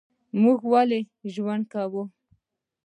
موږ ولي ژوند کوو؟